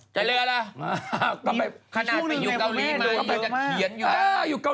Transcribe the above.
ใจเรียกอะไรเหรออ่า